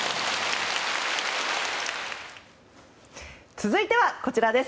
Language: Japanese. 続いては、こちらです。